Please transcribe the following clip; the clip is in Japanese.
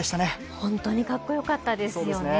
本当に格好良かったですよね。